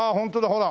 ほら。